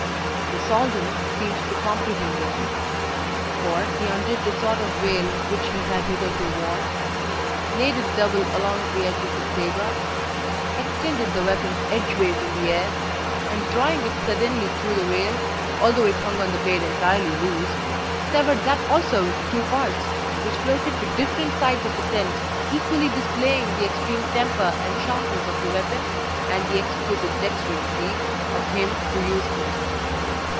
The Soldan seemed to comprehend him, for he undid the sort of veil which he had hitherto worn, laid it double along the edge of his sabre, extended the weapon edgeways in the air, and drawing it suddenly through the veil, although it hung on the blade entirely loose, severed that also into two parts, which floated to different sides of the tent, equally displaying the extreme temper and sharpness of the weapon and the exquisite dexterity of him who used it.